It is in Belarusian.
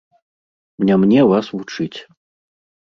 Не мне вас вучыць.